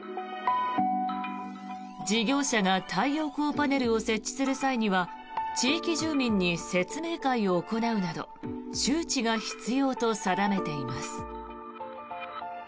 事業者が太陽光パネルを設置する際には地域住民に説明会を行うなど周知が必要と定めています。